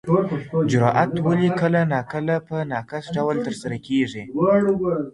اجرات ولي کله ناکله په ناقص ډول ترسره کیږي؟